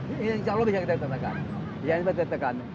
insya allah bisa ditekan bisa ditekan